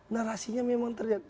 narasinya memang terjadi